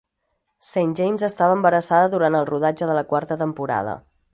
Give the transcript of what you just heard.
Saint James estava embarassada durant el rodatge de la quarta temporada.